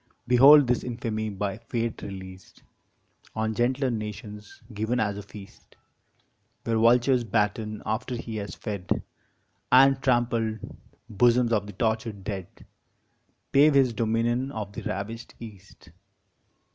Behold this infamy by Fate released On gentler nations given as a feast Where vultures batten after he has fed, And trampled bosoms of the tortured dead Pave his dominion of the ravished East.